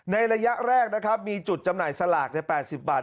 ระยะแรกนะครับมีจุดจำหน่ายสลากใน๘๐บาท